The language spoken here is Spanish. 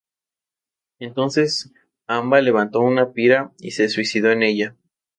Entonces Amba levantó una pira y se suicidó en ella.